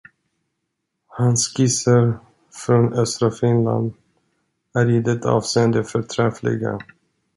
Hans skisser från östra Finland är i detta avseende förträffliga.